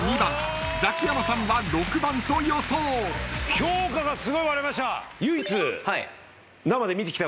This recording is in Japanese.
評価がすごい割れました。